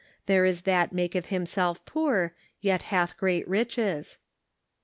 There is that maketh himself poor, yet hath great riches."